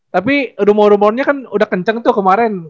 tapi rumor rumornya kan udah kencang tuh kemarin